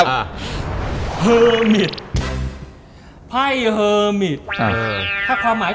อเจมส์ผมจะเปิดให้